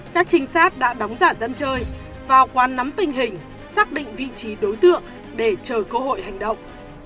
các trinh sát đã đóng giả dân chơi vào quán nắm tình hình xác định vị trí đối tượng để chờ cơ hội hành động